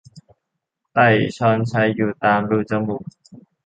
ไต่ชอนไชอยู่ตามรูจมูก